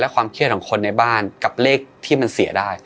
ความเครียดของคนในบ้านกับเลขที่มันเสียได้